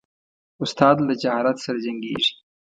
استاد له جهالت سره جنګیږي.